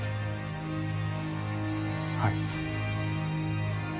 はい。